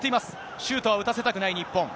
シュートは打たせたくない日本。